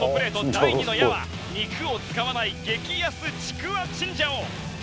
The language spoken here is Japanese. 第二の矢は肉を使わない激安ちくわチンジャオ。